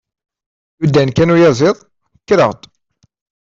Yudan kan uyaziḍ, kkreɣ-d.